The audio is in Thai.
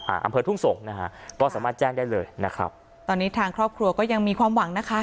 อำเภอทุ่งส่งนะฮะก็สามารถแจ้งได้เลยนะครับตอนนี้ทางครอบครัวก็ยังมีความหวังนะคะ